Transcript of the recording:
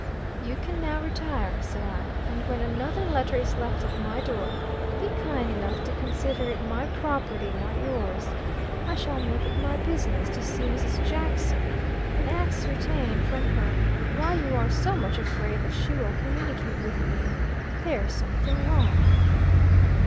"You can now retire," said I, "and when another letter is left at my door, be kind enough to consider it my property, not yours. I shall make it my business to see Mrs. Jackson, and ascertain from her why you are so much afraid that she will communicate with me. There's some thing wrong."